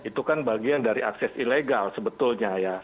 itu kan bagian dari akses ilegal sebetulnya ya